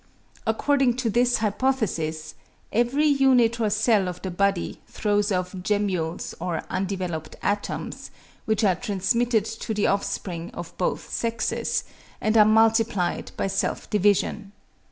According to this hypothesis, every unit or cell of the body throws off gemmules or undeveloped atoms, which are transmitted to the offspring of both sexes, and are multiplied by self division.